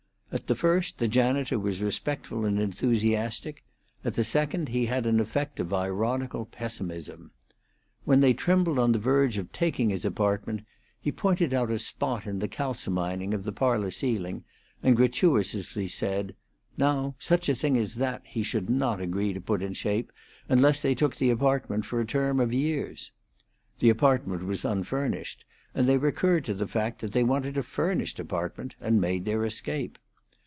At the first the janitor was respectful and enthusiastic; at the second he had an effect of ironical pessimism. When they trembled on the verge of taking his apartment, he pointed out a spot in the kalsomining of the parlor ceiling, and gratuitously said, Now such a thing as that he should not agree to put in shape unless they took the apartment for a term of years. The apartment was unfurnished, and they recurred to the fact that they wanted a furnished apartment, and made their escape.